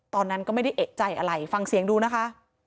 ตอนนั้นก็ไม่ได้เอกใจอะไรฟังเสียงดูนะคะ